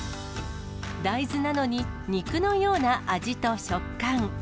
大豆なのに、肉のような味と食感。